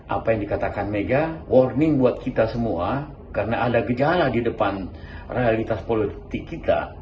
apa yang dikatakan mega warning buat kita semua karena ada gejala di depan realitas politik kita